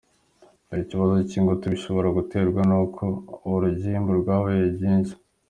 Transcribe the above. Dore ibibazo by’ingutu bishobora guterwa nuko urugimbu rwabaye rwinshi.